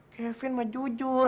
kevin mah jujur